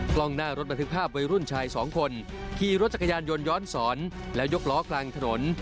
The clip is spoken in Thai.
กล้องหน้ารถบันทึกภาพวัยรุ่นชายสองคนขี่รถจักรยานยนต์ย้อนสอนแล้วยกล้อกลางถนน